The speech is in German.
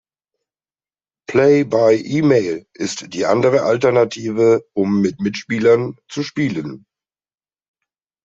Play-by-E-Mail ist die andere Alternative um mit Mitspielern zu spielen.